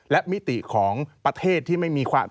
และมิติของประเทศที่ไม่มีความ